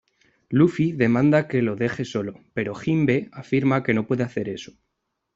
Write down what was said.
Luffy demanda que lo deje solo, pero Jinbe afirma que no puede hacer eso.